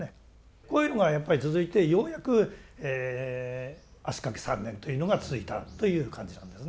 こういうのがやっぱり続いてようやく足かけ３年というのが続いたという感じなんですね。